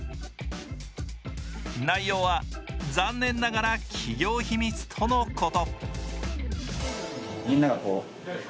内容は残念ながら企業秘密とのこと。